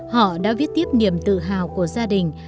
họ đã viết tiếp niềm tự hào của gia đình